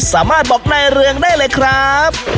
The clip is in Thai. สามารถบอกนายเรืองได้เลยครับ